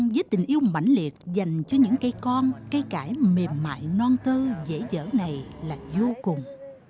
với tình yêu mạnh liệt dành cho những cây con cây cải mềm mại non tơ dễ dở này là vô cùng